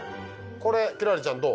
これ輝星ちゃんどう？